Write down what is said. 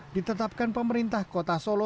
ditetapkan pemerintah kota solo